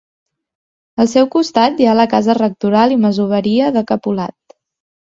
Al seu costat hi ha la casa rectoral i masoveria de Capolat.